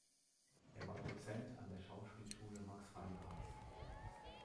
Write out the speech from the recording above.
Er war Dozent an der Schauspielschule Max Reinhardts.